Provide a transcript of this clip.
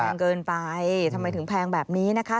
เกินไปทำไมถึงแพงแบบนี้นะคะ